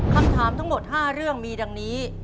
คำถามทั้งหมด๕เรื่องมีดังนี้